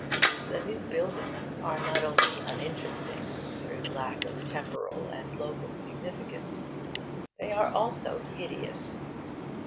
The new buildings are not only uninteresting through lack of temporal and local significance: they are also hideous.